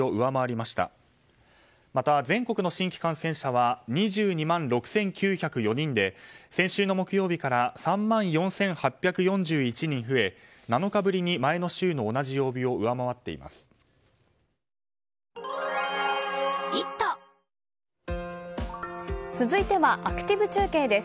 また、全国の新規感染者は２２万６９０４人で先週の木曜日から３万４８４１人増え７日ぶりに前の週の同じ曜日を上回っています。